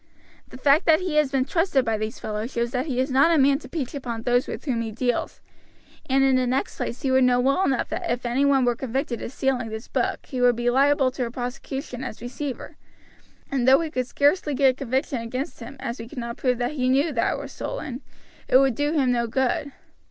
"The fact that he has been trusted by these fellows shows that he is not a man to peach upon those with whom he deals; and in the next place he would know well enough that if any one were convicted of stealing this book he would be liable to a prosecution as receiver; and though we could scarcely get a conviction against him, as we could not prove that he knew that it was stolen, it would do him no good."